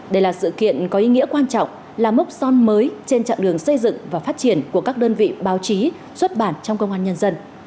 đây là sự kiện có ý nghĩa quan trọng là mốc son mới trên trạng đường xây dựng và phát triển của các đơn vị báo chí xuất bản trong công an nhân dân